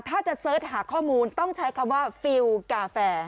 ถ้าจะเสิร์ชหาข้อมูลต้องใช้คำว่าฟิลกาแฟ